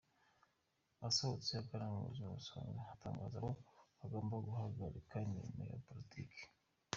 Asohotse agana mu buzima busanzwe, atangaza ko atagomba guhagarika imirimo ye ya Politiki.